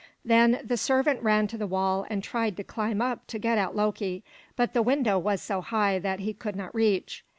Then the servant ran to the wall and tried to climb up to get at Loki; but the window was so high that he could not reach.